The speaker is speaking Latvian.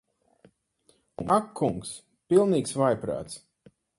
Ak kungs. Pilnīgs vājprāts.